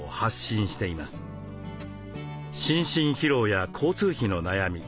心身疲労や交通費の悩み